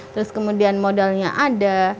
terus kemudian modalnya ada